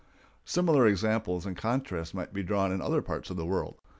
Similar examples and contrasts might be drawn in other parts of the world.